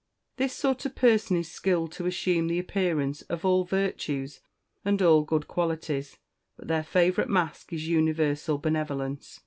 "This sort of person is skilled to assume the appearance of all virtues and all good qualities; but their favourite mask is universal benevolence.